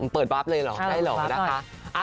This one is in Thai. เปิดวาบเลยเหรอได้เหรอนะคะ